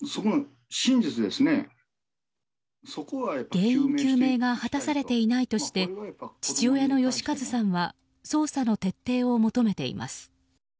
原因究明が果たされていないとして父親の義一さんは捜査の徹底を求めています。